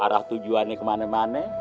tau arah tujuannya ke mana mana